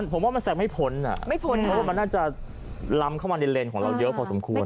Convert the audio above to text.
ผมว่ามันแซงไม่พ้นอ่ะไม่พ้นเพราะว่ามันน่าจะล้ำเข้ามาในเลนของเราเยอะพอสมควร